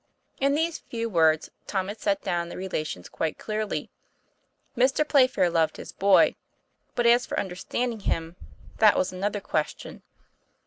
" In these few words Tom had set down their rela tions quite clearly. Mr. Playfair loved his boy; but as for understanding him, that was another question.